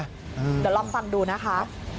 เดี๋ยวลองฟังดูนะคะ